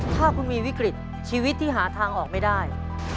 ถ้าคุณมีวิกฤตชีวิตที่หาทางออกไม่ได้